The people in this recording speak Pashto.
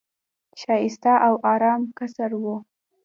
ښایسته او آرام قصر وو.